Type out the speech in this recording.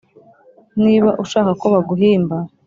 niba ushaka ko baguhimba